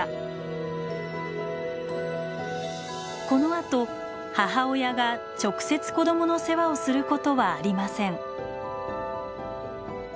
このあと母親が直接子供の世話をすることはありません。